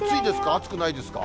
暑くないですか？